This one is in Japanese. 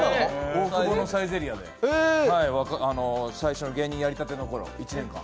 大久保のサイゼリヤで、最初の芸人やりたてのころ、１年間。